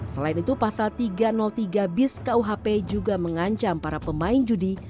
selain itu pasal tiga ratus tiga biskuhp juga mengancam para pemain judi